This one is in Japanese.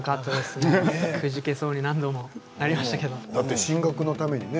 くじけそうに何度もなりました。